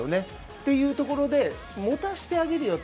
というところで持たせてあげるよと。